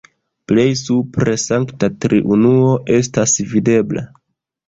Plej supre Sankta Triunuo estas videbla.